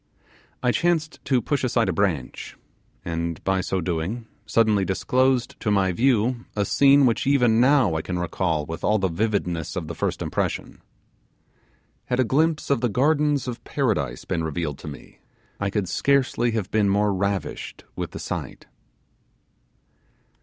I chanced to push aside a branch, and by so doing suddenly disclosed to my view a scene which even now I can recall with all the vividness of the first impression. Had a glimpse of the gardens of Paradise been revealed to me, I could scarcely have been more ravished with the sight.